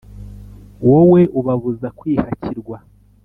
wowe ubabuza kwihakirwa